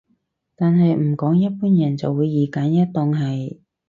但係唔講一般人就會二擇其一當係